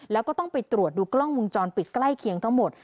แล้วก็ต้องไปตรวจดูกล้องวงจรปิดใกล้เคียงทั้งหมด